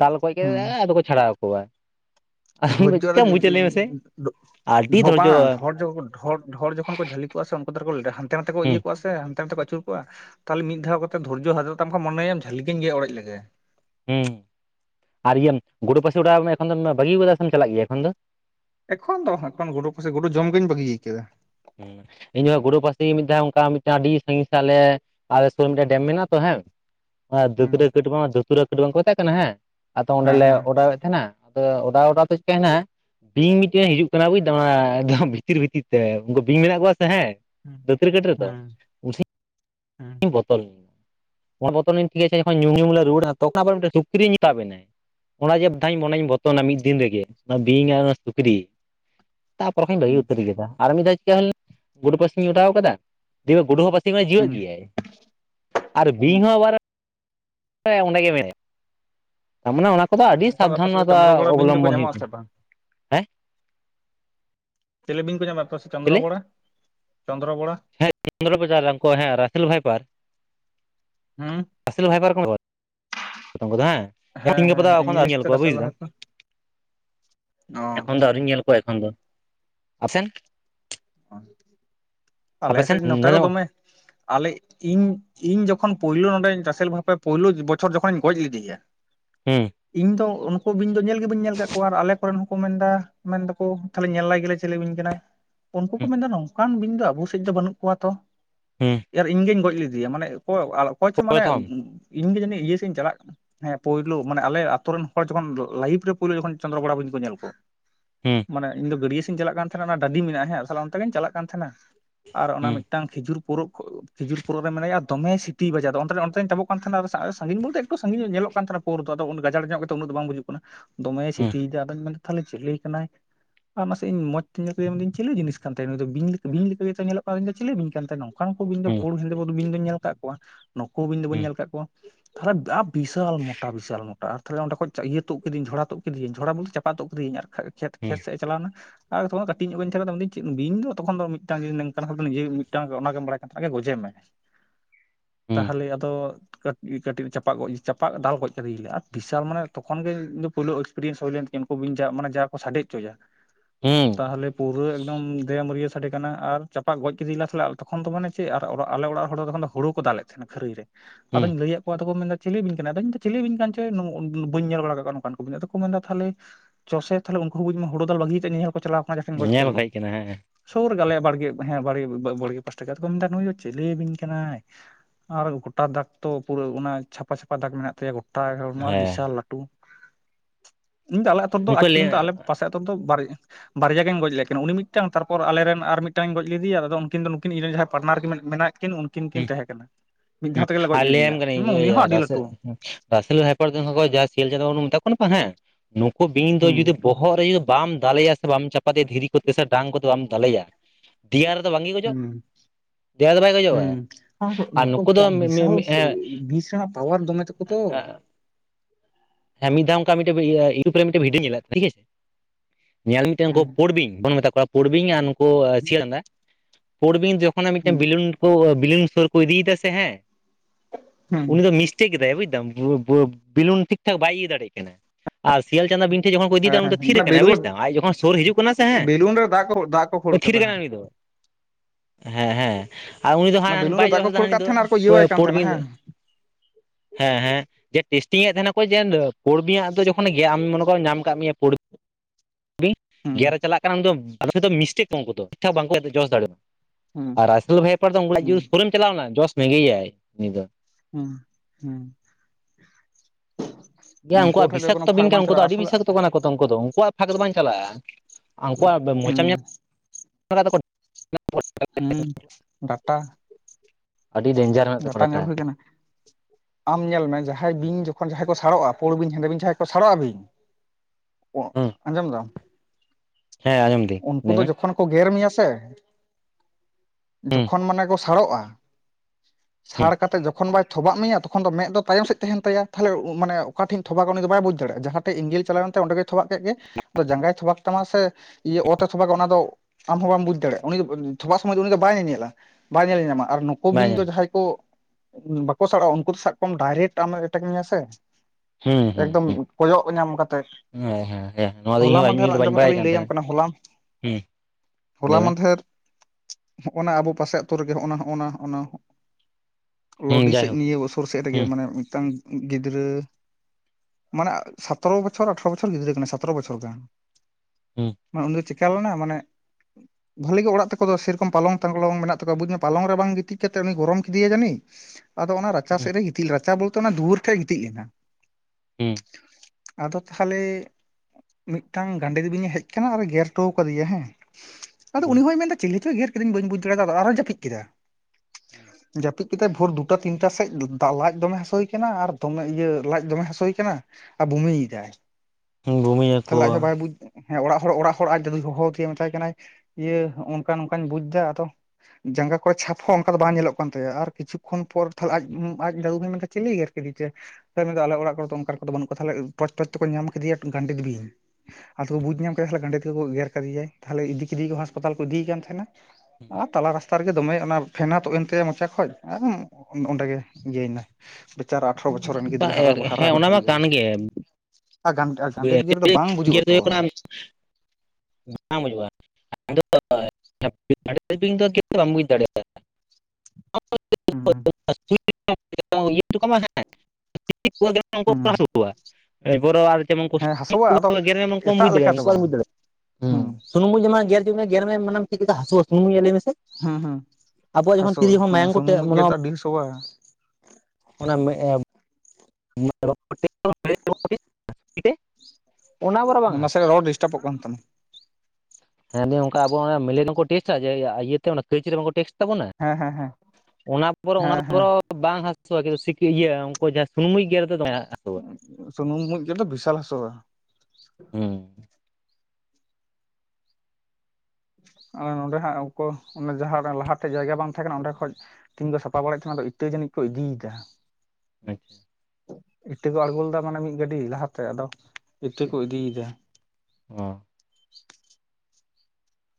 ᱫᱟᱞ ᱜᱚᱡ ᱠᱟᱛᱮ ᱦᱩᱸ ᱮᱻ ᱟᱫᱚ ᱠᱚ ᱪᱷᱟᱲᱟᱣ ᱠᱚᱣᱟ ᱾ ᱫᱷᱳᱨᱡᱚ ᱨᱮ <unintelligible> ᱟᱹᱰᱤ ᱰᱷᱚᱵᱟᱝ <unintelligible> ᱫᱷᱳᱨᱡᱚ ᱰᱷᱚᱲ ᱰᱷᱚᱲ ᱡᱚᱠᱷᱚᱱ ᱠᱚ ᱡᱟᱹᱞᱤ ᱠᱚᱜ-ᱟ ᱥᱮ ᱩᱱᱠᱩ ᱛᱚ ᱟᱨᱚ ᱠᱚ ᱦᱟᱱᱛᱮ ᱱᱟᱛᱮ ᱠᱚ ᱦᱩᱸ ᱤᱭᱟᱹ ᱠᱚᱜᱼᱟ ᱥᱮ ᱦᱟᱱᱛᱮ ᱱᱟᱛᱮ ᱠᱚ ᱟᱹᱪᱩᱨ ᱛᱟᱦᱚᱞᱮ ᱢᱤᱫ ᱫᱷᱟᱣ ᱠᱟᱛᱮ ᱫᱷᱳᱨᱡᱚ ᱦᱟᱫᱮᱨᱚᱜ ᱛᱟᱢ ᱠᱷᱟᱱ ᱢᱚᱱᱮᱭᱟᱢ ᱡᱷᱟᱹᱞᱤ ᱜᱤᱧ ᱜᱮᱫ ᱚᱲᱮᱡ ᱞᱮᱜᱮ ᱾ ᱦᱩᱸ ᱾ ᱟᱨ ᱤᱭᱟᱹ ᱜᱩᱰᱩ ᱯᱟᱹᱥᱤ ᱚᱰᱟᱣ ᱮᱢ ᱮᱠᱷᱚᱱ ᱫᱚᱢ ᱵᱟᱹᱜᱤ ᱟᱠᱟᱫᱟ ᱥᱮᱢ ᱪᱟᱞᱟᱜ ᱜᱮᱭᱟ ᱮᱠᱷᱚᱱ ᱫᱚ? ᱮᱠᱷᱚᱱ ᱫᱚ ᱮᱠᱷᱚᱱ ᱜᱩᱰᱩ ᱯᱟᱹᱥᱤ, ᱜᱩᱰᱩ ᱡᱚᱢ ᱜᱤᱧ ᱵᱟᱹᱜᱤ ᱟᱠᱟᱫᱟ ᱾ ᱦᱩᱸ, ᱤᱧ ᱦᱚᱸ ᱜᱩᱰᱩ ᱯᱟᱹᱥᱤ ᱢᱤᱫ ᱫᱷᱟᱣ ᱚᱱᱠᱟ ᱢᱤᱫᱴᱟᱝ ᱟᱹᱰᱤ ᱥᱟᱺᱜᱤᱧ ᱥᱮ ᱟᱞᱮ ᱟᱞᱮ ᱥᱩᱨ ᱨᱮ ᱢᱤᱫᱴᱮᱱ ᱰᱮᱢ ᱢᱮᱱᱟᱜ ᱛᱚ ᱦᱮᱸ ᱚᱱᱟ ᱦᱩᱸ ᱫᱟᱹᱛᱨᱟᱹ ᱠᱟᱹᱴ ᱵᱟᱝ ᱫᱟᱹᱛᱨᱟᱹ ᱠᱟᱹᱴ ᱵᱟᱝ ᱠᱚ ᱢᱮᱛᱟᱜ ᱠᱟᱱᱟ ᱦᱮᱸ ᱟᱫᱚ ᱦᱮᱸ ᱚᱸᱰᱮᱞᱮ ᱦᱮᱸ ᱚᱰᱟᱣᱮᱫ ᱛᱟᱦᱮᱸᱱᱟ, ᱟᱫᱚ ᱚᱰᱟᱣ ᱚᱰᱟᱣ ᱛᱮ ᱪᱮᱠᱟᱭᱮᱱᱟ, ᱵᱤᱧ ᱢᱤᱫᱴᱟᱹᱜ ᱮ ᱦᱤᱡᱩᱜ ᱠᱟᱱᱟ ᱵᱩᱡ ᱫᱟᱢ ᱟᱸᱻ ᱮᱠᱫᱚᱢ ᱵᱷᱤᱛᱤᱨ ᱵᱷᱤᱛᱤᱨ ᱛᱮ ᱾ ᱠᱩ ᱵᱤᱧ ᱢᱮᱱᱟᱜ ᱠᱚᱣᱟ ᱥᱮ ᱦᱮᱸ ᱫᱟᱹᱛᱨᱟᱹ ᱜᱟᱹᱴ ᱨᱮᱫᱚ ᱦᱩᱸ <unintelligible> ᱦᱩᱸ ᱵᱚᱛᱚᱞ, ᱯᱚᱱᱚ ᱛᱚ ᱱᱤᱧ ᱠᱤ ᱟᱪᱷᱮ ᱮᱠᱷᱚᱱ ᱧᱩᱢ ᱧᱩᱢ ᱞᱮ ᱨᱩᱣᱟᱹᱲ ᱦᱟ ᱛᱚ ᱚᱠᱟ ᱵᱳᱨᱮ ᱢᱤᱫᱴᱮᱱ ᱥᱩᱠ ᱠᱤᱨᱤᱧ ᱠᱟᱜ ᱵᱤᱱᱟᱭ? ᱚᱱᱟ ᱡᱮ ᱢᱤᱫ ᱫᱷᱟᱣ ᱢᱚᱱᱮᱧ ᱵᱚᱛᱚᱱᱟ ᱢᱤᱫ ᱫᱤᱱ ᱨᱮᱜᱮ, ᱚᱱᱟ ᱵᱤᱧ ᱟᱨ ᱚᱱᱟ ᱥᱩᱛᱨᱤ᱾ ᱛᱟᱯᱚᱨᱮ ᱠᱷᱚᱱ ᱤᱧ ᱵᱟᱹᱜᱤ ᱦᱩᱸ ᱩᱛᱟᱹᱨ ᱠᱮᱫᱟ ᱟᱨ ᱢᱤᱫ ᱫᱷᱟᱣ ᱪᱤᱠᱟᱹ ᱦᱩᱭ ᱞᱮᱱᱟ, ᱜᱩᱰᱩ ᱯᱟᱹᱥᱤᱧ ᱚᱰᱟᱣ ᱟᱠᱟᱫᱟ ᱫᱤᱣ ᱜᱩᱰᱩ ᱦᱚᱸ ᱯᱟᱹᱥᱤ ᱣᱟᱹ ᱡᱤᱣᱟᱜ ᱦᱩᱸ ᱜᱮᱭᱟᱭ ᱟᱨ ᱦᱩᱸ ᱵᱤᱝ ᱦᱚᱸ ᱟᱣᱟᱫ ᱦᱮ ᱚᱸᱰᱮ ᱜᱮ ᱢᱮᱱᱟᱭ, ᱛᱟ ᱢᱟᱱᱮ ᱚᱱᱟ ᱠᱚᱫᱚ ᱟᱹᱰᱤ ᱮᱠᱷᱚᱱ ᱟᱯᱮ ᱥᱟᱵᱫᱷᱟᱱ ᱥᱮᱫ ᱚᱱᱟ ᱫᱚ ᱪᱚᱱᱫᱨᱚ ᱵᱚᱲᱟ ᱵᱤᱧ ᱚᱵᱚᱞᱚᱢ ᱫᱚᱠᱚ ᱵᱚᱱ ᱧᱟᱢᱚᱜ ᱦᱩᱭᱩᱜ ᱟᱥᱮ ᱠᱟᱱᱟ᱾ ᱵᱟᱝ ᱦᱮᱸ ᱪᱤᱞᱮᱵᱤᱧ ᱯᱮ ᱧᱟᱢ ᱞᱮᱫ ᱠᱚᱣᱟ ᱥᱮ ᱪᱚᱸᱫᱽᱨᱚ ᱪᱤᱞᱤ ᱵᱚᱲᱟ, ᱪᱚᱸᱫᱽᱨᱚ ᱵᱚᱲᱟ᱾ ᱦᱮᱸ ᱪᱚᱸᱫᱨᱚ <inaudible> ᱵᱟᱡᱟᱨ ᱦᱟᱢᱠᱳ ᱦᱮᱸ ᱨᱟᱠᱷᱮᱞ ᱵᱷᱟᱭ ᱯᱟᱨ᱾ ᱦᱩᱸ? ᱨᱟᱥᱮᱞ ᱵᱷᱟᱭᱯᱟᱨ ᱯᱟᱨ <unintelligible> ᱩᱱᱠᱩ ᱫᱚ ᱦᱮᱸ ᱾ ᱛᱮᱦᱮᱧ ᱦᱮᱸ ᱜᱟᱯᱟ ᱦᱮᱸ ᱫᱚ ᱚᱠᱷᱚᱱ ᱫᱚ ᱟᱹᱣᱨᱤᱧ ᱤᱝᱞᱤᱥ ᱧᱮᱞ ᱛᱮ ᱠᱚᱣᱟ ᱵᱩᱡᱽ ᱨᱟᱥᱮᱞ ᱞᱟᱦᱟ ᱫᱟᱢ, ᱠᱚ ᱮᱠᱷᱚᱱ ᱚ ᱫᱚ ᱟᱹᱣᱨᱤᱧ ᱧᱮᱞ ᱠᱚᱣᱟ ᱮᱠᱷᱚᱱ ᱫᱚ ᱟᱥᱮᱱ <unintelligible> ᱟᱞᱮ ᱟᱯᱮᱥᱮᱱ ᱥᱮᱫ ᱱᱚᱛᱮ ᱧᱮᱞ ᱫᱚ ᱧᱟᱢᱚᱜ ᱫᱚᱢᱮ ᱟᱞᱮ ᱤᱧ ᱤᱧ ᱡᱚᱠᱷᱚᱱ ᱯᱳᱭᱞᱩ ᱱᱚᱰᱮᱧ ᱪᱟᱥᱮᱞ ᱵᱷᱟᱯᱮ ᱯᱳᱭᱞᱩ ᱵᱚᱪᱷᱚᱨ ᱡᱚᱠᱷᱚᱱ ᱤᱧ ᱜᱚᱡ ᱞᱮᱫᱮᱭᱟ ᱦᱩᱸ? ᱤᱧ ᱫᱚ ᱩᱱᱠᱩ ᱵᱤᱧ ᱫᱚ ᱧᱮᱞ ᱜᱮ ᱵᱟᱹᱧ ᱧᱮᱞ ᱠᱟᱜ ᱠᱚᱣᱟ ᱟᱨ ᱟᱞᱮ ᱠᱚᱨᱮᱱ ᱦᱚᱸᱠᱚ ᱢᱮᱱ ᱮᱫᱟ ᱢᱮᱱᱫᱟᱠᱚ ᱛᱟᱦᱮᱞᱮ ᱧᱮᱞ ᱞᱟᱭ ᱜᱮᱞᱮ ᱪᱮᱞᱮ ᱵᱤᱧ ᱠᱟᱱᱟᱭ ᱩᱱᱠᱩ ᱠᱚ ᱦᱩᱸ ᱢᱮᱱ ᱫᱟ ᱱᱚᱝᱠᱟᱱ ᱵᱤᱧ ᱫᱚ ᱟᱵᱚ ᱥᱮᱫ ᱫᱚ ᱵᱟᱹᱱᱩᱜ ᱠᱚᱣᱟ ᱛᱚ ᱦᱩᱸᱦ ᱟᱨ ᱤᱧ ᱜᱤᱧ ᱜᱚᱡ ᱞᱮᱫᱮᱭᱟ ᱢᱟᱱᱮ ᱚᱠᱚ ᱣᱟ ᱚᱠᱚᱭ ᱪᱚ ᱢᱟᱱᱮ ᱩᱸ ᱯᱨᱚᱛᱷᱚᱢ ᱤᱧ ᱜᱮ ᱡᱟᱹᱱᱤᱡ ᱤᱭᱟᱹ ᱥᱮᱫ ᱤᱧ ᱪᱟᱞᱟᱜ ᱠᱟᱱᱟ᱾ ᱦᱮᱸ ᱯᱳᱭᱞᱳ ᱢᱟᱱᱮ ᱟᱞᱮ ᱟᱛᱩ ᱨᱮᱱ ᱦᱚᱲ ᱡᱮᱢᱚᱱ ᱞᱟᱭᱤᱵᱷ ᱨᱮ ᱯᱳᱭᱞᱳ ᱡᱚᱠᱷᱚᱱ ᱪᱚᱱᱫᱨᱚ ᱵᱚᱲᱟ ᱵᱤᱧ ᱠᱚ ᱧᱮᱞ ᱠᱚ, ᱦᱩᱸ, ᱢᱟᱱᱮ ᱤᱧ ᱫᱚ ᱜᱟᱹᱰᱭᱟᱹ ᱥᱮᱫ ᱤᱧ ᱪᱟᱞᱟᱜ ᱠᱟᱱ ᱛᱟᱦᱮᱸᱱᱟ ᱚᱱᱟ ᱰᱟᱹᱰᱤ ᱢᱮᱱᱟᱜᱼᱟ ᱦᱮᱸ, ᱥᱟᱞᱟ ᱚᱱᱛᱮ ᱜᱤᱧ ᱪᱟᱞᱟᱜ ᱠᱟᱱ ᱛᱟᱦᱮᱸᱱᱟ ᱟᱨ ᱚᱱᱟ ᱦᱩᱸ ᱢᱤᱫ- ᱴᱟᱝ ᱠᱷᱤᱡᱩᱨ ᱯᱳᱨᱚᱠᱷᱚ ᱠᱷᱮᱡᱩᱨ ᱯᱳᱨᱚᱵᱽ ᱮ ᱢᱤᱱᱟᱹᱧᱟ ᱟᱨ ᱫᱚᱢᱮ ᱥᱤᱴᱤ ᱵᱟᱡᱟᱣ ᱮᱫᱟ ᱚᱱᱛᱮᱨᱮ ᱚᱱᱛᱮᱧ ᱛᱟᱵᱚᱜ ᱠᱟᱱ ᱛᱟᱦᱮᱸᱱᱟ ᱥᱟ ᱥᱟᱺᱜᱤᱧ ᱵᱚᱞᱛᱮ ᱩᱱ ᱫᱚ ᱥᱟᱺᱜᱤᱧᱚᱜ ᱧᱮᱞᱚᱜ ᱠᱟᱱ ᱛᱟᱦᱮᱸᱱᱟ ᱯᱩᱨ ᱫᱚ, ᱟᱫᱚ ᱩᱱ ᱜᱟᱡᱟᱲ ᱧᱚᱜ ᱜᱮᱛᱮ ᱩᱱᱟᱹᱜ ᱫᱚ ᱵᱟᱝ ᱵᱩᱡᱩᱜ ᱠᱟᱱᱟ ᱾ ᱫᱚᱢᱮ ᱦᱩᱸ ᱥᱤᱴᱤᱭᱮᱫᱟ ᱟᱫᱚᱧ ᱢᱮᱱᱫᱟ ᱛᱟᱦᱮᱞᱮ ᱪᱮᱞᱤ ᱠᱟᱱᱟᱭ ᱟᱨ ᱱᱟᱥᱮ ᱤᱧ ᱢᱚᱸᱡᱽ ᱛᱮᱧ ᱧᱮᱞ ᱠᱮᱫᱮᱭᱟ ᱢᱮᱱ ᱫᱤᱧ ᱪᱤᱞᱤ ᱡᱤᱱᱤᱥ ᱠᱟᱱ ᱛᱮᱭ ᱱᱩᱭ ᱫᱚ ᱵᱤᱧ ᱞᱮᱠᱟ ᱵᱤᱧ ᱞᱮᱠᱟ ᱜᱮᱛᱚ ᱧᱮᱞᱚᱜ ᱠᱟᱱ ᱫᱚ ᱪᱤᱞᱮ ᱵᱤᱧ ᱠᱟᱱᱛᱮ ᱱᱚᱝ ᱚᱱᱠᱟᱱ ᱠᱚ ᱵᱤᱧ ᱫᱚ ᱦᱩᱸ ᱯᱩᱲ ᱦᱮᱸᱫᱮ ᱠᱚ ᱵᱤᱧ ᱫᱚᱧ ᱧᱮᱞ ᱟᱠᱟᱜ ᱠᱚᱣᱟ ᱱᱳᱠᱩ ᱵᱤᱧ ᱫᱚ ᱵᱟᱹᱧ ᱦᱩᱸ ᱧᱮᱞ ᱠᱟᱜ ᱠᱚᱣᱟ? ᱛᱟᱦᱚᱞᱮ ᱟ ᱵᱤᱥᱟᱞ ᱢᱚᱴᱟ ᱵᱤᱥᱟᱞ ᱢᱚᱴᱟ ᱟᱨ ᱛᱟᱦᱚᱞᱮ ᱚᱸᱰᱮ ᱠᱷᱚᱡ ᱤᱭᱟᱹ ᱛᱩᱫ ᱠᱤᱫᱤᱭᱟᱹᱧ ᱡᱷᱚᱲᱟ ᱛᱩᱫ ᱠᱤᱫᱤᱭᱟᱹᱧ ᱡᱷᱚᱲᱟ ᱵᱚᱞᱛᱮ ᱪᱟᱯ ᱪᱟᱯᱟᱜ ᱛᱩᱜ ᱠᱮᱫᱮᱭᱟᱹᱧ ᱟᱨ ᱠᱷᱮᱛ ᱦᱩᱸ ᱠᱷᱮᱥ ᱥᱮᱜ ᱮ ᱪᱟᱞᱟᱣᱮᱱᱟ ᱟᱨ ᱛᱚᱠᱷᱚᱱ ᱠᱟᱹᱴᱤᱡ ᱧᱚᱜ ᱜᱤᱧ <unintelligible> ᱢᱮᱱ ᱫᱟᱹᱧ ᱪᱮᱫ ᱵᱤᱧ ᱫᱚ ᱛᱚᱠᱷᱚᱱ ᱫᱚ ᱢᱤᱫᱴᱟᱝ ᱜᱮ ᱱᱮᱝᱠᱟᱱ ᱦᱚᱲ ᱫᱚ ᱱᱤᱡᱮ ᱜᱮ ᱢᱤᱫᱴᱟᱝ ᱚᱱᱟᱜᱮᱢ ᱵᱟᱲᱟᱭ ᱠᱟᱱ ᱛᱟᱦᱮᱸᱫᱼᱟ ᱜᱚᱡᱮ ᱢᱮ᱾ ᱛᱟᱦᱮᱞᱮ ᱟᱫᱚ ᱠᱟᱹᱴ- ᱠᱟᱹᱴᱤᱡ ᱪᱟᱯᱟᱜ ᱜᱚᱡ ᱪᱟᱯᱟᱜ ᱫᱟᱞ ᱤ ᱤ ᱠᱟᱹᱴᱤᱜ ᱮ ᱪᱟᱯᱟᱜ ᱜᱚᱡ ᱪᱟᱯᱟᱜ ᱫᱟᱞ ᱜᱚᱡ ᱠᱟᱫᱮᱭᱟᱞᱮ ᱞᱮ ᱟᱨ ᱵᱤᱥᱟᱞ ᱢᱟᱱᱮ ᱛᱚᱠᱷᱚᱱ ᱜᱮ ᱤᱧ ᱯᱩᱭᱞᱩ ᱤᱥᱯᱨᱤᱭᱮᱱᱥ ᱦᱩᱭ ᱞᱮᱱ ᱛᱤᱧᱟᱹ ᱱᱩᱠ- ᱩᱝᱠᱩ ᱵᱤᱧ ᱡᱟᱜ ᱢᱟᱱᱮ ᱡᱟ ᱠᱚ ᱥᱟᱰᱮ ᱚᱪᱚᱭᱟ ᱦᱩᱸ ᱛᱟᱦᱮᱞᱮᱵ ᱯᱩᱨᱟᱹ ᱮᱠᱫᱚᱢ ᱫᱮᱢᱟᱹᱨᱤᱭᱟᱹ ᱥᱟᱰᱮ ᱠᱟᱱᱟ ᱟᱨ ᱪᱟᱯᱟᱜ ᱜᱚᱡ ᱠᱮᱫᱮ ᱭᱟᱞᱮ ᱥᱟᱞᱟᱜ ᱛᱚᱠᱷᱚᱱ ᱫᱚ ᱢᱟᱱᱮ ᱪᱮᱫ ᱟᱨ ᱚᱨᱼᱟᱜ ᱟᱞᱮ ᱚᱲᱟᱜ ᱦᱚᱲ ᱫᱚ ᱛᱚᱠᱷᱚᱱ ᱫᱚ ᱦᱩᱲᱩ ᱠᱚ ᱫᱟᱞᱮᱫ ᱛᱟᱦᱮᱸᱱᱟ ᱠᱷᱟᱹᱨᱟᱹᱭ ᱨᱮ ᱦᱩᱸ ᱟᱫᱚᱧ ᱞᱟᱹᱭ ᱟᱫ ᱠᱚᱣᱟ, ᱟᱫᱚ ᱠᱚ ᱢᱮᱱ ᱫᱟ ᱪᱤᱞᱤ ᱵᱤᱧ ᱠᱟᱱᱟᱭ? ᱟᱫᱚᱧ ᱢᱮᱱ ᱫᱟ ᱪᱤᱞᱤ ᱵᱤᱧ ᱠᱟᱱ ᱪᱚᱭ, ᱱᱩᱻᱜ ᱵᱟᱹᱧ ᱧᱮᱞ ᱵᱟᱲᱟ ᱠᱟᱜ ᱠᱚᱣᱟ ᱱᱚᱸᱠᱚᱱ ᱠᱳᱫᱚ, ᱟᱫᱚ ᱢᱮᱱ ᱫᱟ ᱠᱚ ᱛᱟᱦᱮᱞᱮ ᱪᱚᱥᱮ ᱛᱟᱦᱮᱞᱮ ᱩᱱᱠᱩ ᱦᱚᱸ ᱵᱩᱡᱽ ᱢᱮ ᱦᱩᱲᱩ ᱫᱟᱞ ᱵᱟᱹᱜᱤ ᱭᱟᱛᱮᱫ ᱧᱮᱧᱮᱞ ᱠᱚ ᱪᱟᱞᱟᱣ ᱠᱟᱱᱟ ᱡᱟᱥᱮᱱ ᱜᱚᱡ᱾ ᱧᱮᱞ ᱠᱟᱫᱮᱭᱟ ᱦᱩᱭ ᱠᱟᱱᱟ, ᱦᱮᱸ ᱦᱮᱸ᱾ ᱥᱩᱨ ᱜᱮᱭᱟ ᱟᱞᱮᱭᱟᱜ ᱵᱟᱲᱜᱮᱵ ᱦᱮᱸ ᱵᱟᱲᱜᱮ ᱵᱟᱜ ᱵᱟ ᱵᱟᱲᱜᱮ ᱯᱟᱥᱴᱟ ᱜᱮ ᱟᱫᱚ ᱠᱚ ᱢᱮᱱ ᱮᱫᱟ ᱱᱩᱭ ᱫᱚ ᱪᱮᱞᱤ ᱵᱤᱧ ᱠᱟᱱᱟᱭ? ᱟᱨ ᱜᱚᱴᱟ ᱫᱟᱜᱽ ᱛᱚ ᱯᱩᱨᱟᱹ ᱚᱱᱟ ᱪᱷᱟᱯᱟ ᱪᱷᱟᱯᱟ ᱫᱟᱜᱽ ᱢᱮᱱᱟᱜ ᱛᱟᱭᱟ ᱜᱚ- ᱛᱟᱜᱽ ᱦᱚᱲᱢᱚ ᱟᱨ ᱦᱮᱸ ᱵᱤᱥᱟᱞ ᱞᱟᱹᱴᱩ ᱤᱧ ᱫᱚ ᱟᱞᱮ ᱟᱹᱛᱩ ᱨᱮ ᱫᱚ ᱟᱡ ᱩᱱᱠᱩ ᱞᱟᱹᱭ ᱯᱚᱨᱡᱚᱱᱛᱚ ᱟᱞᱮ ᱦᱩᱸ ᱯᱟᱥ ᱟ ᱛᱚ ᱫᱚ ᱵᱟᱨ ᱮᱸ ᱵᱟᱨᱭᱟ ᱜᱮᱧ ᱜᱚᱡ ᱞᱮᱜ ᱩᱱᱤ ᱢᱤᱫᱴᱟᱝ ᱛᱟᱯᱚᱨ ᱟᱞᱮ ᱨᱮᱱ ᱟᱨ ᱢᱤᱫᱴᱟᱝ ᱤᱧ ᱜᱚᱡ ᱞᱤᱫᱤᱭᱟ ᱟᱫᱚ ᱩᱱᱠᱤᱱ ᱫᱚ ᱱᱩᱠᱤᱱ ᱤᱧ ᱨᱮᱱ ᱡᱟᱦᱟᱸᱭ ᱯᱟᱴᱱᱟᱨ ᱠᱤᱱ ᱢᱮᱱᱟᱜ ᱠᱤᱱ ᱩᱱ ᱩᱱᱠᱤᱱ ᱠᱤᱱ ᱛᱟᱦᱮᱸ ᱠᱟᱱᱟ ᱢᱤᱫ ᱫᱷᱟᱣ ᱦᱩᱸ ᱛᱮᱜᱮᱞᱮ ᱜᱚᱡ ᱟᱨ ᱞᱟᱹᱭᱟᱢ ᱞᱤᱫᱤᱭᱟ ᱠᱟᱹᱱᱟᱹᱧ ᱦᱩᱸ ᱩᱱᱤ ᱤᱭᱟᱹ ᱦᱚᱸ ᱟᱹᱰᱤ ᱨᱟᱥᱮᱞ ᱞᱟᱹᱴᱩ᱾ ᱨᱟᱥᱮᱞ ᱦᱟᱭᱯᱚᱴ ᱡᱟᱦᱟᱸ <unintelligible> ᱪᱟᱸᱚᱱ <unintelligible> ᱢᱮᱛᱟ ᱠᱚ ᱠᱟᱱᱟ ᱵᱟᱝ ᱦᱮᱸ ᱱᱩᱠᱩ ᱵᱤᱧ ᱫᱚ ᱦᱩᱸ ᱡᱩᱫᱤ ᱵᱚᱦᱚᱜ ᱨᱮ ᱡᱩᱫᱤ ᱵᱟᱢ ᱫᱟᱞᱮᱭᱟ ᱥᱮ ᱵᱟᱢ ᱪᱟᱯᱟᱫᱮᱭᱟ ᱫᱷᱤᱨᱤ ᱠᱚᱛᱮ ᱥᱮ ᱰᱟᱝ ᱠᱚᱛᱮ ᱵᱟᱢ ᱫᱟᱞᱮᱭᱟ ᱫᱮᱭᱟ ᱨᱮᱫᱚ ᱵᱟᱝᱜᱮ ᱜᱚᱡᱚᱜ ᱦᱩᱸ ᱫᱮᱭᱟ ᱨᱮᱫᱚ ᱵᱟᱭ ᱜᱚᱡᱚᱜᱼᱟᱭ᱾ ᱦᱩᱸ ᱟᱨ ᱱᱩᱠᱩ ᱴᱟᱜ ᱵᱤᱥᱟᱞ ᱥᱮ ᱵᱤᱥᱟᱜ ᱯᱟᱣᱟᱨ ᱫᱚᱢᱮ ᱛᱟᱠᱚ ᱛᱚ ᱦᱮᱸ ᱢᱤᱫ ᱫᱷᱟᱣ ᱚᱝᱠᱟ ᱢᱤᱫᱴᱮᱜ ᱵᱤ ᱤᱭᱟᱹ ᱤᱩᱴᱩᱵᱽ ᱨᱮ ᱢᱤᱫᱴᱮᱜ ᱵᱷᱤᱰᱤᱭᱳ ᱧᱮᱞᱮᱫ ᱛᱟᱸᱦᱮ ᱴᱷᱤᱠ ᱟᱪᱮ ᱧᱮᱞ ᱢᱤᱫᱴᱮᱱ ᱦᱩᱸ ᱱᱩᱠᱩ ᱯᱩᱸᱰ ᱵᱤᱧ ᱵᱚᱱ ᱢᱮᱛᱟ ᱠᱚᱣᱟ ᱯᱩᱸᱰ ᱵᱤᱧᱟᱜ ᱟᱨ ᱱᱩᱠᱩ ᱥᱤᱭᱟᱹ ᱫᱟ ᱯᱩᱸᱰ ᱵᱤᱧ ᱡᱚᱠᱷᱚᱱ ᱦᱩᱸ ᱢᱤᱫᱴᱮᱱ ᱵᱤᱞᱩᱱ ᱠᱩ ᱵᱤᱞᱩᱱ ᱥᱩᱨ ᱠᱩ ᱤᱫᱤᱭᱮᱫᱟ ᱥᱮ ᱦᱮᱸ ᱦᱩᱸ ᱩᱱᱤ ᱫᱚ ᱢᱤᱥᱴᱮᱠ ᱮᱫᱟᱭ ᱵᱩᱡᱫᱟᱢ ᱵᱩ ᱵᱩ ᱵᱤᱞᱩᱱ ᱴᱷᱤᱠ ᱴᱷᱟᱠ ᱵᱟᱭ ᱤᱭᱟᱹ ᱫᱟᱲᱮᱜ ᱠᱟᱱᱟ᱾ ᱟᱨ ᱥᱤᱭᱟᱞ ᱪᱟᱸᱫᱟ ᱵᱤᱧ ᱴᱷᱮᱜ ᱡᱚᱠᱷᱚᱱ ᱠᱚ ᱤᱫᱤᱭ ᱦᱮᱸ ᱫᱟ ᱩᱱ ᱦᱮᱸ ᱫᱚ ᱛᱷᱤᱨ ᱠᱟᱱᱟᱭ ᱵᱩᱡᱽ ᱵᱮᱞᱩᱱ ᱫᱟᱢ ᱟᱡ ᱡᱚᱠᱷᱚᱱ ᱥᱩᱨ ᱦᱤᱡᱩᱜ ᱠᱟᱱᱟ ᱥᱮ ᱵᱮᱞᱩᱱ ᱨᱮ ᱫᱟᱜ ᱠᱚ ᱫᱟᱜ ᱠᱚ ᱠᱷᱳᱲ ᱦᱮᱸ ᱛᱷᱤᱨ ᱠᱟᱫᱟ ᱠᱟᱱᱟᱭ ᱱᱩᱭ ᱫᱚ ᱦᱮᱸ ᱦᱮᱸ ᱟᱨ ᱩᱱᱤ ᱫᱚ ᱚᱱᱟ ᱦᱟᱸᱜ ᱵᱮᱞᱩᱱ ᱵᱟᱭ ᱨᱮ ᱫᱟᱜ ᱡᱚᱥ ᱠᱚ ᱮᱫᱟ ᱠᱷᱳᱲ ᱦᱟᱹᱱᱤ ᱠᱟᱜ ᱫᱚ ᱛᱟᱦᱮᱱᱟ ᱟᱨᱠᱚ ᱯᱩ ᱤᱭᱟᱹᱣᱟᱭ ᱠᱟᱱ ᱯᱩᱸᱰ ᱛᱟᱦᱮᱱᱟ ᱵᱤᱧ ᱫᱚ ᱦᱮᱸ ᱦᱮᱸ ᱦᱮᱸ ᱡᱮ ᱴᱮᱥᱴᱤᱝ ᱮᱫ ᱛᱟᱦᱮᱱᱟᱠᱚ ᱡᱮ ᱟᱹ ᱯᱩᱸᱰ ᱵᱤᱧᱭᱟᱜ ᱫᱚ ᱡᱠᱷᱚᱱ ᱜᱮ ᱟᱢ ᱢᱚᱱᱮ ᱠᱚᱢ ᱧᱟᱢ ᱠᱟᱫ ᱢᱮᱭᱟ ᱯᱩᱰ ᱜᱤ ᱦᱩᱸ ᱜᱮ ᱟᱨᱮ ᱪᱟᱞᱟᱜ ᱠᱟᱱᱟ ᱩᱱ ᱫᱚ ᱟᱞᱮᱥᱮᱫ ᱫᱚ ᱢᱤᱥᱴᱮᱠ ᱠᱚ ᱩᱱᱠᱩ ᱫᱚ ᱮᱷᱟ <unintelligible> ᱵᱟᱝᱠᱚ ᱡᱚᱥ ᱫᱟᱲᱮᱭᱟᱜ ᱦᱩᱸ ᱟᱨᱟᱭᱥᱮᱞ ᱵᱷᱮᱯᱟᱨ ᱫᱚ ᱩᱱᱠᱩᱣᱟᱜ ᱡᱩᱥ ᱯᱚᱨᱮᱢ ᱪᱟᱞᱟᱣ ᱱᱟᱭ ᱡᱚᱥ ᱢᱮ ᱜᱮᱭᱟᱭ ᱩᱱᱤ ᱫᱚ ᱦᱩᱸ ᱦᱩᱸ ᱜᱮᱭᱟ ᱩᱱᱠᱩ ᱩᱱᱠᱩᱣᱟᱜ ᱴᱷᱮᱡ ᱫᱚ ᱠᱳᱱᱳ ᱵᱤᱥᱟᱠᱛᱚ ᱯᱷᱟᱸᱠ ᱵᱤᱧ ᱠᱟᱱᱟ ᱵᱟᱝ ᱩᱱᱠᱩ ᱫᱚ ᱪᱟᱞᱟᱜᱼᱟ ᱟᱹᱰᱤ ᱟᱥᱚᱞᱮ ᱵᱤᱥᱟᱠᱛᱚ ᱠᱟᱱᱟ ᱠᱚ ᱛᱚ ᱩᱱᱠᱩ ᱫᱚ ᱩᱱᱠᱩᱣᱟᱜ ᱯᱷᱟᱸᱠ ᱫᱚ ᱵᱟᱝ ᱪᱟᱞᱟᱜᱼᱟ᱾ ᱟᱸ ᱩᱝᱠᱩᱣᱟᱜ ᱵᱮ ᱢᱚᱪᱟᱢ ᱧᱮᱞ ᱦᱩᱸ ᱦᱩᱸ ᱰᱟᱴᱟ ᱟᱹᱰᱤ ᱰᱮᱧᱡᱟᱨ ᱢᱮᱱᱟᱜ ᱰᱟᱴᱟ ᱛᱟᱠᱚᱣᱟ ᱧᱮᱞ ᱦᱩᱭ ᱠᱟᱱᱟ᱾ ᱟᱢ ᱧᱮᱞ ᱢᱮ ᱡᱟᱦᱟᱸᱭ ᱵᱤᱱ ᱡᱚᱠᱷᱚᱱ ᱡᱟᱦᱟᱸᱭ ᱠᱚ ᱥᱟᱲᱚᱜ-ᱟ ᱯᱩᱲ ᱵᱤᱧ ᱦᱮᱸᱫᱮ ᱵᱤᱧ ᱡᱟᱦᱟᱸᱭ ᱠᱚ ᱥᱟᱲᱚᱜ-ᱟ ᱵᱤᱧ ᱚᱸᱜ ᱦᱩᱸ ᱟᱸᱡᱚᱢ ᱫᱟᱢ ᱦᱮᱸ ᱟᱸᱡᱚᱢ ᱫᱤᱧ ᱩᱱᱠᱩ ᱞᱟᱹᱭ ᱫᱚ ᱢᱮ ᱡᱚ ᱠᱷᱚᱱ ᱠᱚ ᱜᱮᱨ ᱢᱮᱭᱟ ᱥᱮ ᱦᱩᱸ ᱡᱚᱠᱷᱚᱱ ᱢᱟᱱᱮ ᱠᱚ ᱥᱟᱲᱚᱜ-ᱟ ᱦᱩᱸ ᱥᱟᱲ ᱠᱟᱛᱮ ᱡᱚᱠᱷᱚᱱ ᱵᱟᱭ ᱛᱷᱚᱵᱟᱜ ᱢᱮᱭᱟ ᱛᱚᱠᱷᱚᱱ ᱫᱚ ᱢᱮᱫ ᱫᱚ ᱛᱟᱭᱚᱢ ᱥᱮᱫ ᱛᱟᱦᱮᱱ ᱛᱟᱭᱟ ᱛᱟᱦᱚᱞᱮ ᱩᱸ ᱢᱟᱱᱮ ᱚᱠᱟᱴᱷᱮᱧ ᱛᱷᱚᱵᱟᱜᱮ ᱩᱱᱤ ᱫᱚ ᱵᱟᱭ ᱵᱩᱡᱽ ᱫᱟᱲᱮᱜ-ᱟ ᱡᱟᱦᱟᱸ ᱴᱮᱡ ᱮᱸᱜᱮᱞ ᱪᱞᱟᱣᱮᱱ ᱛᱟᱭᱟ ᱚᱸᱰᱮ ᱜᱮ ᱛᱷᱚᱵᱟᱜ ᱠᱮᱫ ᱜᱮ ᱟᱫᱚ ᱡᱟᱸᱜᱟᱭ ᱛᱷᱚᱵᱟᱜ ᱛᱟᱢᱟ ᱥᱮ ᱤᱭᱟᱹ ᱚᱛᱮ ᱛᱷᱚᱵᱟᱜᱟ ᱚᱱᱟ ᱫᱚ ᱟᱢᱦᱚᱸ ᱵᱟᱢ ᱵᱩᱡᱽ ᱫᱟᱲᱮᱭᱟᱜ-ᱟ ᱩᱱᱤ ᱫᱚ ᱛᱷᱚᱵᱟᱜ ᱥᱚᱢᱚᱭ ᱫᱚ ᱩᱱᱤ ᱫᱚ ᱵᱟᱭ ᱧᱮᱧᱮᱞᱟ ᱵᱟᱭ ᱧᱮᱞ ᱧᱟᱧᱟᱢᱟ ᱟᱨ ᱱᱩᱠ ᱱᱩᱠᱩ ᱵᱟᱭ ᱵᱤᱧ ᱫᱚ ᱟᱸᱡᱚᱢ ᱡᱟᱦᱟᱸᱭ ᱠᱚ ᱵᱟᱠᱚ ᱥᱟᱲᱚᱜ-ᱟ ᱩᱱᱠᱩ ᱫᱚ ᱥᱟᱵ ᱠᱟᱢ ᱰᱟᱭᱨᱮᱠᱴ ᱟᱢᱮ ᱮᱴᱮᱠ ᱢᱮᱭᱟ ᱥᱮ ᱦᱩᱸ ᱦᱩᱸ ᱮᱠᱫᱚᱢ ᱦᱩᱸ ᱠᱚᱭᱚᱜ ᱧᱟᱢ ᱠᱟᱛᱮᱫ ᱦᱮᱸ ᱦᱮᱸ ᱦᱮᱸ ᱱᱚᱣᱟ ᱫᱚ ᱦᱚᱞᱟ ᱤᱧᱦᱚᱸ ᱤᱧ ᱢᱟᱫᱷᱮᱨ ᱫᱚ ᱟᱸᱡᱚᱢ ᱵᱟᱹᱧ ᱢᱮ ᱵᱟᱲᱟᱭ ᱛᱟᱦᱚᱞᱮᱧ ᱠᱟᱱ ᱞᱟᱹᱭᱟᱢ ᱛᱟᱦᱮᱸᱱᱟ ᱠᱟᱱᱟ ᱦᱚᱞᱟᱢ ᱦᱩᱸ ᱦᱚᱞᱟ ᱞᱟᱹᱭ ᱢᱮ ᱢᱟᱫᱮᱨ ᱠᱷᱚᱱᱟᱜ ᱟᱵᱚ ᱯᱟᱥᱮ ᱟᱹᱛᱩ ᱨᱮᱜᱮ ᱦᱚᱸᱜᱼᱚ ᱱᱟ ᱦᱚᱸᱜᱼ ᱱᱟ ᱦᱩᱸ ᱞᱚᱰᱤ ᱥᱮᱫ ᱡᱟᱭᱦᱳᱠ ᱱᱤᱭᱟᱹ ᱵᱚᱪᱷᱚᱨ ᱥᱮᱫ ᱨᱮᱜᱮ ᱦᱩᱸ ᱢᱟᱱᱮ ᱢᱤᱫᱴᱟᱱ ᱜᱤᱫᱽᱨᱟᱹ ᱢᱟᱱᱮ ᱥᱟᱛᱮᱨᱚ ᱵᱚᱪᱷᱚᱨ ᱟᱴᱷᱨᱚ ᱵᱚᱪᱷᱚᱨ ᱜᱤᱫᱽᱨᱟᱹ ᱠᱟᱱᱟᱭ ᱥᱟᱛᱮᱨᱚ ᱵᱚᱪᱷᱚᱨ ᱜᱟᱱ ᱦᱩᱸ ᱢᱟᱱᱮ ᱩᱱ ᱫᱚ ᱠᱮᱞᱱᱟ ᱢᱟᱱᱮ ᱵᱷᱟᱹᱞᱤ ᱜᱮ ᱚᱲᱟᱜ ᱛᱟᱠᱚᱫᱚ ᱥᱮ ᱨᱚᱠᱚᱢ ᱯᱟᱞᱚᱝ ᱴᱟᱞᱚᱝ ᱢᱮᱱᱟᱜ ᱛᱟᱠᱚᱣᱟ ᱵᱩᱡᱽ ᱢᱮ ᱯᱟᱞᱚᱝ ᱨᱮ ᱵᱟᱝ ᱜᱤᱛᱤᱡ ᱠᱟᱛᱮ ᱩᱱᱤ ᱜᱚᱨᱚᱢ ᱠᱮᱫᱮᱟᱭ ᱡᱟᱹᱱᱤᱡ ᱟᱫᱚ ᱚᱱᱟ ᱨᱟᱪᱟ ᱦᱩᱸ ᱥᱮᱫ ᱨᱮ ᱜᱤᱛᱤᱡ ᱨᱟᱪᱟ ᱵᱚᱞᱛᱮ ᱚᱱᱟ ᱫᱩᱣᱟᱹᱨ ᱴᱷᱮᱱ ᱜᱤᱛᱤᱡ ᱮᱱᱟ ᱾ ᱦᱩᱸ ᱟᱫᱚ ᱛᱟᱦᱚᱞᱮ ᱢᱤᱫᱴᱟᱝ ᱜᱟᱸᱰᱮ ᱫᱤ ᱵᱤᱝ ᱦᱮᱡ ᱟᱠᱟᱱᱟ ᱟᱨ ᱜᱮᱨ ᱦᱚᱴᱚ ᱟᱠᱟᱫᱮᱭᱟ ᱦᱮᱸ ᱟᱫᱚ ᱦᱩᱸ ᱩᱱᱤ ᱦᱚᱭ ᱢᱮᱱ ᱮᱫᱟ ᱪᱤᱞᱤ ᱪᱚᱭ ᱜᱮᱨ ᱠᱮᱫᱟᱹᱧ ᱵᱟᱹᱧ ᱵᱩᱡᱽ ᱫᱟᱲᱮ ᱟᱫᱟ ᱟᱫᱚ ᱟᱨᱚ ᱡᱟᱹᱯᱤᱫ ᱠᱮᱫᱟ᱾ <inaudible> ᱡᱟᱹᱯᱤᱫ ᱠᱮᱫᱟᱭ ᱵᱷᱳᱨ ᱫᱩᱴᱟ ᱛᱤᱱᱴᱟ ᱥᱮᱫ ᱞᱟᱡ ᱫᱚᱢᱮ ᱦᱟᱹᱥᱩᱭ ᱠᱟᱱᱟ ᱟᱨ ᱫᱚᱢᱮ ᱤᱭᱟᱹ ᱞᱟᱡ ᱫᱚᱢᱮ ᱦᱟᱹᱥᱩᱭ ᱠᱟᱱᱟ ᱾ ᱟᱨ ᱵᱷᱩᱢᱤ ᱫᱟᱭ ᱦᱩᱸ ᱛᱟᱦᱚᱞᱮ ᱞᱟᱡ ᱦᱚᱸ ᱵᱩᱢᱤᱭᱟᱠᱚ ᱵᱷᱟᱭ ᱵᱩᱡ ᱦᱮᱸ ᱚᱲᱟᱜ ᱦᱚᱲ ᱚᱲᱟᱜ ᱦᱚᱲ ᱟᱡ ᱫᱟᱫᱩᱭ ᱦᱚᱦᱚ ᱟᱫᱮᱭᱟ ᱢᱮᱛᱟᱭ ᱠᱟᱱᱟᱭ ᱤᱭᱟᱹ ᱚᱱᱠᱟ ᱱᱚᱝᱠᱟᱧ ᱵᱩᱡ ᱮᱫᱟ ᱟᱫᱚ ᱡᱟᱸᱜᱟ ᱠᱚᱨᱮ ᱪᱷᱟᱯ ᱦᱚᱸ ᱚᱱᱠᱟ ᱫᱚ ᱵᱟᱝ ᱧᱮᱞᱚᱜ ᱠᱟᱱ ᱛᱟᱭᱟ ᱟᱨ ᱠᱤᱪᱷᱩ ᱠᱷᱚᱱ ᱯᱚᱨᱮ ᱟᱡ ᱫᱟᱫᱩ ᱫᱚ ᱢᱮᱱ ᱫᱟ ᱪᱤᱞᱤᱭ ᱜᱮᱨ ᱠᱤᱫᱤᱧ ᱪᱚᱭ ᱢᱮᱱ ᱫᱟ ᱟᱞᱮ ᱚᱲᱟᱜ ᱠᱚᱨᱮ ᱫᱚ ᱚᱱᱠᱟ ᱠᱚᱫᱚ ᱵᱟᱹᱱᱩᱜ ᱠᱚᱣᱟ ᱛᱟᱦᱚᱞᱮ ᱴᱚᱪ ᱴᱚᱪ ᱛᱮ ᱠᱚ ᱧᱟᱢ ᱠᱮᱫᱮᱭᱟ ᱜᱟᱱᱰᱮ ᱵᱤᱧ ᱾ ᱟᱫᱚ ᱵᱩᱡᱽ ᱧᱟᱢ ᱠᱮᱫᱟ ᱜᱟᱸᱰᱮ ᱛᱮᱠᱚ ᱜᱮᱨ ᱠᱮᱫᱮᱭᱟ ᱛᱟᱦᱚᱞᱮ ᱤᱫᱤ ᱠᱮᱫᱮ ᱠᱚ ᱦᱟᱥᱟᱛᱟᱞ ᱠᱚ ᱤᱫᱤᱭ ᱠᱟᱱ ᱛᱟᱦᱮᱸᱱᱟ ᱟᱨ ᱛᱟᱞᱟ ᱨᱟᱥᱛᱟ ᱨᱮᱜᱮ ᱫᱚᱢᱮ ᱚᱱᱟ ᱯᱷᱮᱱᱟ ᱛᱳᱜ ᱮᱱ ᱛᱮ ᱢᱚᱪᱟ ᱠᱷᱚᱡ ᱟᱨ ᱚᱸᱰᱮᱜᱮ ᱤᱭᱟᱹᱭᱱᱟ ᱾ ᱵᱮᱪᱟᱨᱟ ᱟᱴᱷᱨᱚ ᱵᱚᱪᱷᱚᱨ ᱨᱮᱱ ᱜᱤᱫᱽᱨᱟᱹ ᱦᱟᱨᱟ ᱦᱮᱸ ᱦᱟᱨᱟ ᱚᱱᱟ ᱜᱚᱫᱚᱜ ᱢᱟ ᱜᱤᱫᱽᱨᱟᱹ ᱠᱟᱱ ᱜᱮ ᱟᱨ ᱜᱟᱱ ᱜᱟᱱᱰᱮ ᱛᱮ ᱜᱮᱨ ᱫᱚ ᱵᱟᱝ ᱵᱩᱡᱩᱜ-ᱟ ᱜᱮᱨ ᱫᱚ ᱛᱚ ᱦᱩᱭᱩᱜ ᱾ ᱠᱟᱱᱟ ᱵᱟᱝ ᱵᱩᱡ-ᱟ ᱟᱫᱚ ᱫᱚ ᱪᱮᱫ ᱵᱟᱢ ᱵᱩᱡᱽ ᱫᱟᱲᱮᱭᱟᱜ-ᱟ ᱦᱩᱸ ᱦᱩᱸ <inaudible> <unintelligible> <unintelligible> <inaudible> ᱠᱚᱢ ᱵ ᱦᱮᱸ ᱦᱟᱹᱥᱩᱣᱟ ᱟᱫᱚ ᱫᱟᱲᱮᱭᱟᱜ ᱵ ᱮᱴᱟᱜ ᱞᱮᱠᱟ ᱫᱚ ᱵᱟᱝ ᱫᱟᱲᱮᱭᱟᱜᱼᱟ ᱦᱩᱸ <inaudible> ᱥᱩᱱᱢᱩᱢᱩᱪ ᱢᱟ ᱜᱮᱨ ᱠᱮᱜ ᱢᱮ ᱜᱮᱨ ᱢᱮᱟᱱᱢ ᱪᱮᱫ ᱞᱮᱠᱟ ᱦᱟᱹᱩ ᱦ ᱥᱩᱱᱩᱢ ᱢᱩᱪ ᱢᱮᱥᱮ <inaudible> ᱦᱩᱸ ᱦᱩᱸ ᱟᱵᱚᱣᱟᱜ ᱡᱚᱠᱷᱚᱱ ᱛᱤ ᱦᱟᱥᱩ-ᱟ ᱡᱚᱠᱷᱚᱱ ᱦᱮᱸ ᱢᱟᱭᱟᱝ ᱠᱚᱴᱮ ᱥᱩᱱᱩᱢ ᱢᱩᱡ ᱚᱱᱟ ᱜᱮᱨ ᱫᱚ ᱟᱰᱤ ᱦᱟᱥᱳ-ᱟ᱾ ᱚᱱᱟ <unintelligible> <unintelligible> ᱵᱟᱝ ᱦᱟᱹᱥᱩᱣᱟ ᱱᱟᱥᱮᱭᱟᱜ ᱨᱚᱲ ᱰᱤᱥᱴᱟᱵᱚᱜ ᱠᱟᱱ ᱛᱟᱢᱟ ᱾ ᱦᱮᱸ ᱱᱤᱭᱟᱹ ᱚᱱᱠᱟ ᱟᱵᱚ ᱚᱱᱟ ᱢᱮᱞᱮᱨᱤᱭᱟᱹ ᱠᱚ ᱴᱮᱥᱴ-ᱟ ᱡᱮ ᱤᱭᱟᱹ ᱛᱮ ᱚᱱᱟ ᱠᱟᱹᱡ ᱨᱮ ᱵᱟᱠᱚ ᱴᱮᱥᱴ-ᱟ᱾ ᱛᱟᱵᱚᱱᱟ ᱦᱮᱸ ᱦᱮᱸ ᱦᱮᱸ ᱚᱱᱟ ᱯᱚᱨ ᱟᱱᱟ ᱦᱮᱸ ᱯᱚᱨ ᱦᱮᱸ ᱵᱟᱝ ᱦᱟᱹᱥᱩᱣᱟ ᱠᱤᱱᱛᱩ ᱤᱭᱟᱹ ᱩᱱᱠᱩ ᱡᱟᱦᱟᱸ ᱥᱩᱱᱩᱢ ᱢᱩᱡ ᱜᱮᱨ ᱫᱚ ᱫᱚᱢᱮ - ᱥᱩᱱᱩᱢ ᱢᱩᱡ ᱜᱮᱨ ᱫᱚ ᱵᱤᱥᱟᱞ ᱦᱟᱹᱥᱩᱣᱟ ᱾ ᱦᱩᱸ ᱱᱚᱸᱰᱮ ᱦᱟᱸᱜ ᱩᱱᱠᱩ ᱡᱟᱦᱟᱸ ᱞᱟᱦᱟ ᱴᱷᱮᱡ ᱡᱟᱭᱜᱟ ᱵᱟᱝ ᱛᱟᱦᱮᱸ ᱠᱟᱱᱟ ᱚᱸᱰᱮ ᱠᱷᱚᱡ ᱛᱮᱦᱤᱧ ᱠᱚ ᱥᱟᱯᱷᱟ ᱵᱟᱲᱟᱭᱮᱫ ᱛᱟᱦᱮᱱᱟ ᱟᱫᱚ ᱤᱴᱟᱹ ᱡᱟᱹᱱᱤᱡ ᱠᱚ ᱤᱫᱤᱭᱮᱫᱟ ᱟᱪᱪᱷᱟ ᱾ ᱤᱴᱟᱹ ᱠᱚ ᱟᱬᱜᱳ ᱞᱮᱫᱟ ᱢᱟᱱᱮ ᱢᱤᱫ ᱜᱟᱹᱰᱤ ᱞᱟᱦᱟᱛᱮ ᱟᱫᱚ ᱤᱴᱟᱹ ᱠᱚ ᱤᱫᱤᱭᱮᱫᱟ ᱾ ᱦᱩᱸ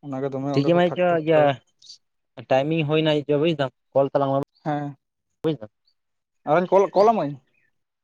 ᱚᱱᱟᱜᱮ ᱫᱚᱢᱮ ᱴᱷᱤᱠ ᱚᱸᱰᱮ ᱜᱮ ᱠᱚ ᱴᱷᱟᱠ ᱢᱮᱪᱚ ᱴᱷᱩᱠ ᱤᱭᱟᱹ ᱠᱟᱫᱟ ᱴᱟᱭᱤᱢᱤᱝ ᱦᱩᱭᱱᱟ ᱵᱩᱡᱫᱟᱢ ᱠᱚᱞ ᱛᱟᱞᱟᱝ ᱦᱮᱸ <unintelligible> ᱟᱨᱦᱚᱧ ᱠᱚᱞ ᱠᱚᱞ ᱟᱢᱟᱹᱧ?